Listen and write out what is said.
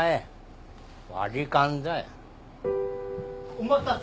お待たせ。